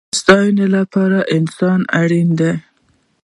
د ساتنې لپاره انسان اړین دی